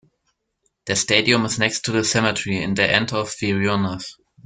The stadium is next to the cemetery, in the end of Vyronas.